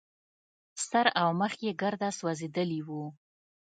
سر او مخ يې ګرده سوځېدلي وو.